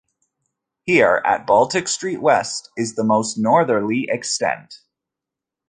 Here, at Baltic Street West, is the most northerly extent.